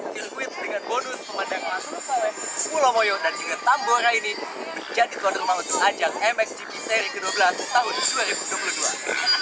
sirkuit dengan bonus pemandang langsung oleh pulau moyo dan juga tambora ini menjadi kondor maut untuk ajak mxgp seri ke dua belas tahun dua ribu dua puluh dua